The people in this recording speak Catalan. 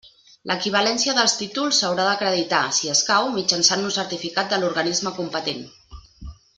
L'equivalència dels títols s'haurà d'acreditar, si escau, mitjançant un certificat de l'organisme competent.